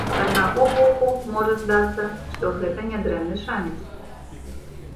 З аднаго боку, можа здацца, што гэта нядрэнны шанец.